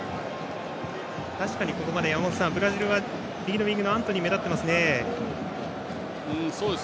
確かにここまで山本さんブラジルは右のウイングのアントニーが目立っていますね。